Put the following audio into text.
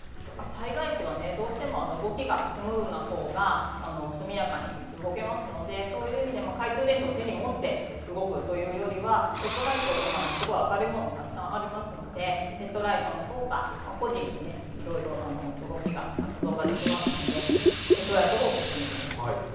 災害時はどうしても動きがスムーズなほうが速やかに動けますので、そういう意味でも懐中電灯を手に持って動くよりはヘッドライトは今は軽いものもたくさんありますのでヘッドライトのほうが個人でいろいろ動きが活動ができますのでヘッドライトがおすすめです。